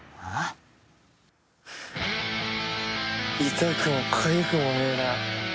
痛くもかゆくもねえな。